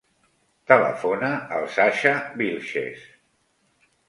Telefona al Sasha Vilches.